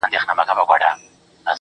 د پښتو ژبه به اوس په آب و تاب شي